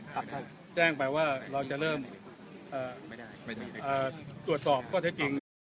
ครับแจ้งไปว่าเราจะเริ่มเอ่อไม่ได้เอ่อตรวจตอบก็เท็จจริง